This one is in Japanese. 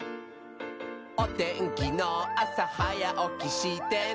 「おてんきのあさはやおきしてね」